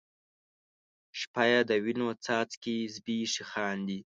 شپه یې د وینو څاڅکي زبیښي خاندي